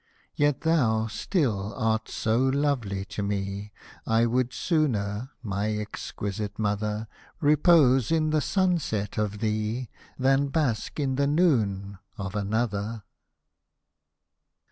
Yet thou still art so lovely to me, I would sooner, my exquisite mother I Repose in the sunset of thee Than bask in the noon of another.